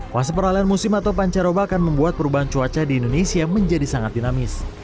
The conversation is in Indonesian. fase peralian musim atau pancaroba akan membuat perubahan cuaca di indonesia menjadi sangat dinamis